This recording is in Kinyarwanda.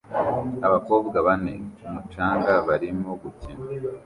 Abakobwa bane ku mucanga barimo gukina